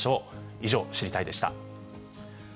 以上、知りたいッ！でした。